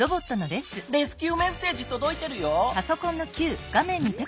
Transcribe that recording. レスキューメッセージとどいてるよ。